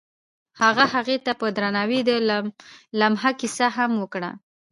هغه هغې ته په درناوي د لمحه کیسه هم وکړه.